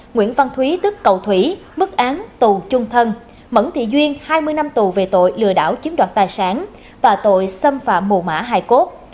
nguyễn văn thúy tức cầu thủy mức án tù chung thân mẫn thị duyên hai mươi năm tù về tội lừa đảo chiếm đoạt tài sản và tội xâm phạm mù mã hài cốt